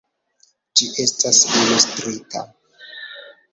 Ĝi estas ilustrita.